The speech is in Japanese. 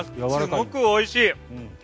すごくおいしい。